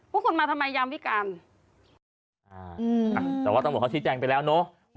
พวกคุณมาทำไมยามวิการแต่ว่าตำรวจเขาชี้แจงไปแล้วเนอะ